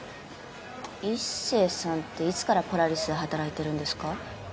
一星さんっていつからポラリスで働いてるんですか？